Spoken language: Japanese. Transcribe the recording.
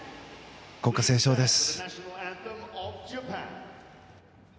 国歌斉唱です。